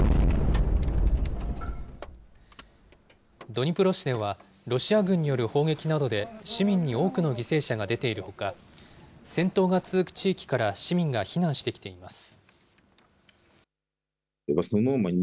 ドニプロ市では、ロシア軍による砲撃などで、市民に多くの犠牲者が出ているほか、戦闘が続く地域から市民が避難してきています。